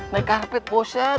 naik karpet bosan